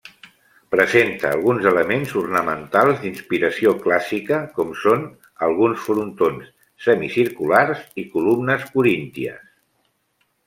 Presenta alguns elements ornamentals d'inspiració clàssica com són alguns frontons semicirculars i columnes corínties.